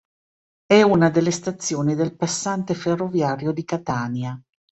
È una delle stazioni del passante ferroviario di Catania.